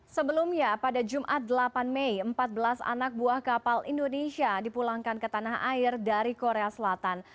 sebelumnya pada jumat delapan mei empat belas anak buah kapal indonesia dipulangkan ke tanah air dari korea selatan